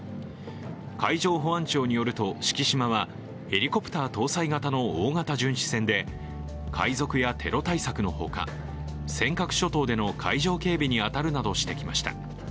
海上保安庁によると「しきしま」はヘリコプター搭載型の大型巡視船で、海賊やテロ対策のほか、尖閣諸島での海上警備に当たるなどしてきました。